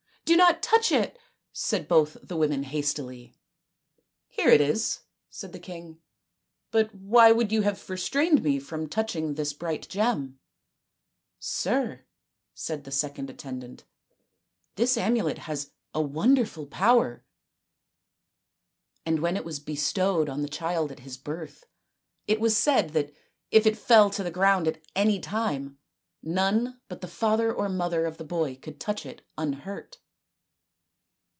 " Do not touch it," said both the women hastily. " Here it is," said the king, " but why would you have restrained me from touching this bright gem ?"" Sir," said the second attendant, " this amulet has a wonderful power, and when it was bestowed on the child at his birth, it was said that if it fell to the ground at any time, none but the father or mother of the boy could touch it unhurt."